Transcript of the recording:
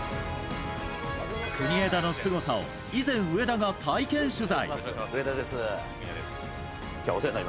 国枝のすごさを以前、上田が体験取材。